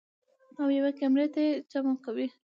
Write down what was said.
او يوې کمرې ته ئې جمع کوي -